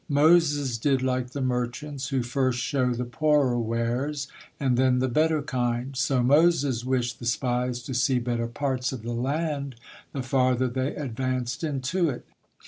Moses did like the merchants, who first show the poorer wares, and then the better kind; so Moses wished the spies to see better parts of the land the farther they advanced into it.